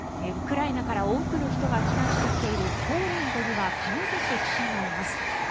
ウクライナから多くの人が避難してきているポーランドには金指記者がいます。